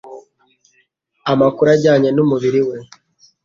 amakuru ajyanye n'umubiri we